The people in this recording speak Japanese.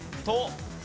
「と」。